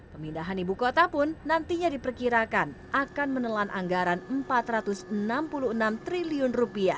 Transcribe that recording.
pemindahan ibu kota pun nantinya diperkirakan akan menelan anggaran rp empat ratus enam puluh enam triliun